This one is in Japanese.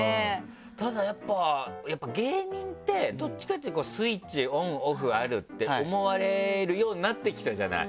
ただやっぱ芸人ってどっちかっていうとスイッチオンオフあるって思われるようになってきたじゃない。